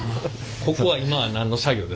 ここは今は何の作業ですか？